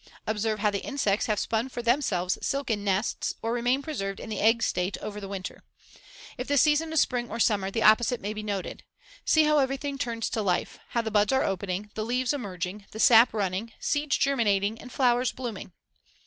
Observe how the insects have spun for themselves silken nests or remain preserved in the egg state over the winter. If the season is spring or summer the opposite may be noted. See how everything turns to life; how the buds are opening, the leaves emerging, the sap running, seeds germinating and flowers blooming.